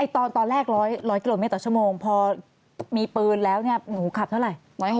ตอนแรก๑๐๐กิโลเมตรต่อชั่วโมงพอมีปืนแล้วหนูขับเท่าไหร่